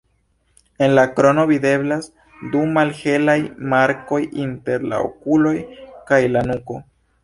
En la krono videblas du malhelaj markoj inter la okuloj kaj la nuko.